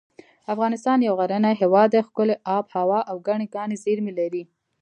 افغانستان یو غرنی هیواد دی ښکلي اب هوا او ګڼې کاني زیر مې لري